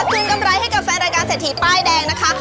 คืนกำไรให้กับแฟนรายการเศรษฐีป้ายแดงนะคะ